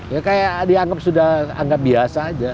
ya kayak dianggap sudah anggap biasa aja